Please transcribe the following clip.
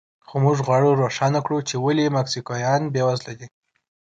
خو موږ غواړو روښانه کړو چې ولې مکسیکویان بېوزله دي.